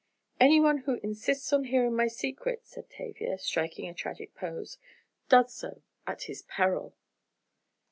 "Anyone who insists on hearing my secret," said Tavia, striking a tragic pose, "does so at his peril!"